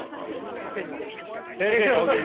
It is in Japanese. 先生にお聞きしたい？